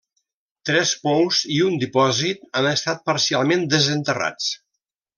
Tres pous i un dipòsit han estat parcialment desenterrats.